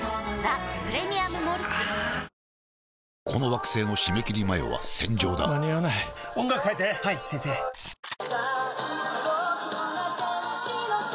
あーこの惑星の締め切り前は戦場だ間に合わない音楽変えて！はいっ！